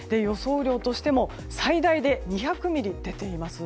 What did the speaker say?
雨量としても最大で２００ミリと出ています。